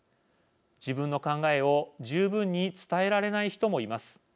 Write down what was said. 自分の考えを十分に伝えられない人もいます。